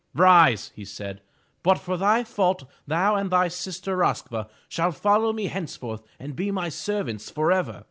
Rise," he said, "but for thy fault thou and thy sister Rosk'va shall follow me henceforth and be my servants forever."